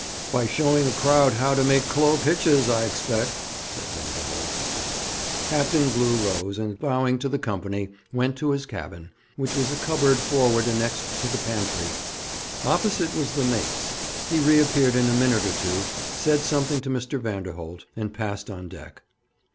'By showing the crowd how to make clove hitches, I expect,' said Vanderholt. Captain Glew rose, and, bowing to the company, went to his cabin, which was a cupboard forward annexed to the pantry. Opposite was the mate's. He reappeared in a minute or two, said something to Mr. Vanderholt, and passed on deck.